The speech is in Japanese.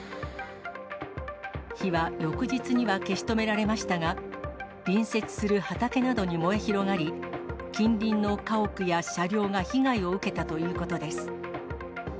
火は翌日には消し止められましたが、隣接する畑などに燃え広がり、近隣の家屋や車両が被害を受けたということです。